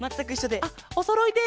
あっおそろいで。